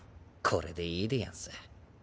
これでいいでやんす。